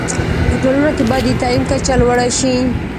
په ټولنه کي باید د تعلیم کچه لوړه شی